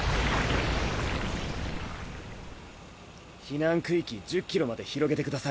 避難区域１０キロまで広げてください。